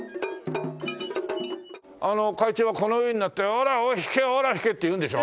あの会長はこの上に乗って「おら引け！おら引け！」って言うんでしょ？